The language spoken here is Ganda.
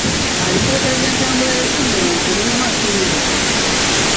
Alipoota z'entambula y'essomero nkulu mu masomero?